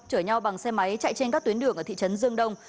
chở nhau bằng xe máy chạy trên các tuyến đường ở thị trấn dương đông